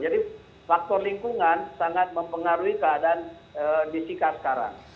jadi faktor lingkungan sangat mempengaruhi keadaan di sika sekarang